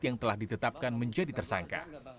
yang telah ditetapkan menjadi tersangka